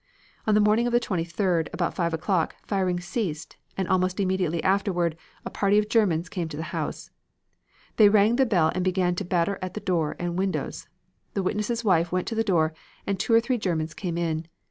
On the morning of the 23d, about 5 o'clock, firing ceased, and almost immediately afterward a party of Germans came to the house. They rang the bell and began to batter at the door and windows. The witness' wife went to the door and two or three Germans came in.